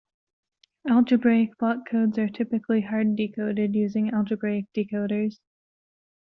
Algebraic block codes are typically hard-decoded using algebraic decoders.